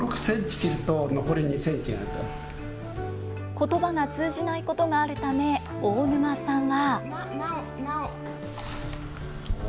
ことばが通じないことがあるため大沼さんは。